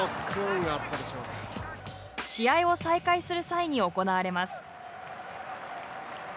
試合を再開する際に行われます。